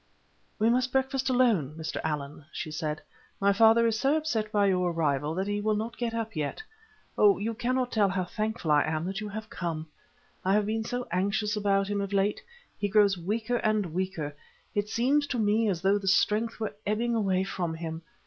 "We must breakfast alone, Mr. Allan," she said; "my father is so upset by your arrival that he will not get up yet. Oh, you cannot tell how thankful I am that you have come. I have been so anxious about him of late. He grows weaker and weaker; it seems to me as though the strength were ebbing away from him.